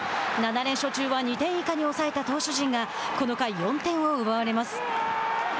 ７連勝中は２点以下に抑えた投手陣がこの回、４点を奪われます。